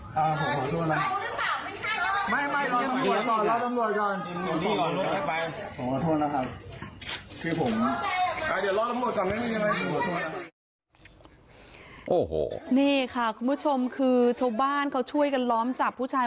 แกทำไม่ถูกนะมึงทำถูกมั้ย